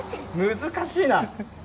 難しいな。